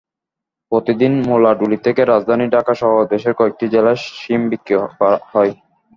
প্রতিদিন মুলাডুলি থেকে রাজধানী ঢাকাসহ দেশের কয়েকটি জেলায় শিম বিক্রি হয়।